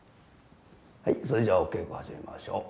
はいそれじゃお稽古始めましょう。